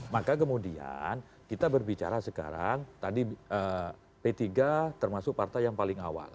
maka kemudian kita berbicara sekarang tadi p tiga termasuk partai yang paling awal